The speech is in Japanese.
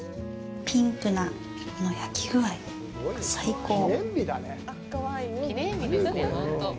ピンクな、この焼きぐあい、最高。